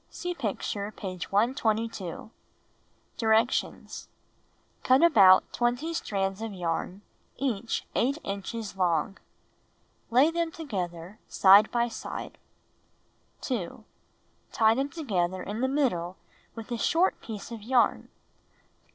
(See picture, page 122.) Directions : 1. Cut about 20 strands of yam, each 8 inches long. Lay them together side by side. 2. Tie them together in the middle with a short piece of yarn.